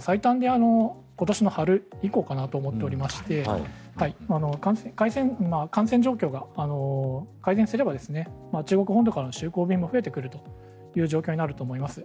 最短で今年の春以降かなと思っておりまして感染状況が改善すれば中国本土からの就航便も増えてくる状況になると思います。